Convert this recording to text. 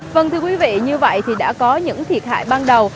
vâng thưa quý vị như vậy thì đã có những thiệt hại ban đầu